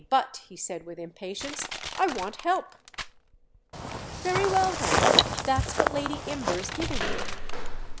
But," he said with impatience, "I want help." "Very well then, that's what Lady Imber's giving you."